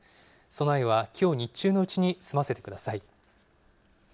備えはきょう日中のうちに済ませてください。